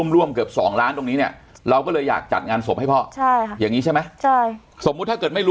ร่วมเกือบ๒ล้านตรงนี้เนี่ย